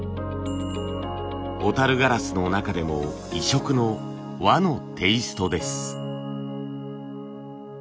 小ガラスの中でも異色の和のテイストです。